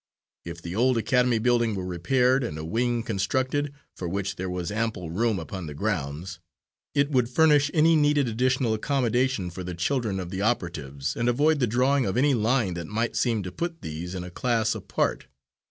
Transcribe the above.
If the old academy building were repaired, and a wing constructed, for which there was ample room upon the grounds, it would furnish any needed additional accommodation for the children of the operatives, and avoid the drawing of any line that might seem to put these in a class apart.